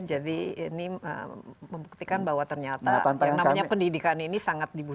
jadi ini membuktikan bahwa ternyata yang namanya pendidikan ini sangat dibutuhkan